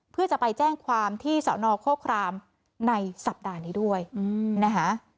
เพื่อจะไปแจ้งความที่สนโฆครามในสัปดาห์นี้ด้วยนะคะ